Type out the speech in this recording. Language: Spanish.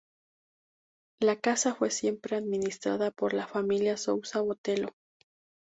La casa fue siempre administrada por la familia Sousa Botelho.